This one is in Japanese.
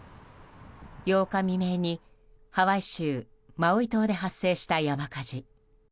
８日未明にハワイ州マウイ島で発生した山火事。